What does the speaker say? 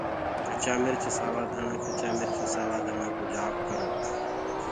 ڪچآ مِرچ سوآ ڌآڻآ ڪچآ مِرچ سآوآ ڌآڻآ ڪچآ مِرچ سآوآ ڌآڻآ ڪو جآپ ڪرو۔